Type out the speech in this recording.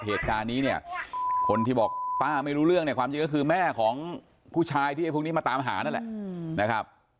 เหตุการณ์นี้เนี่ยคนที่บอกป้าไม่รู้เรื่องเนี่ยความจริงก็คือแม่ของผู้ชายที่พวกนี้มาตามหานั่นแหละนะครับ